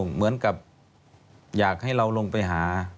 เหมือนกับอยากให้เราลงไปหา